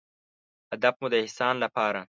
هدف مو د احسان لپاره